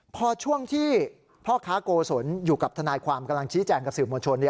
พอช่วงที่พ่อค้าโกศลอยู่กับทนายความกำลังชี้แจงกับสื่อมวลชน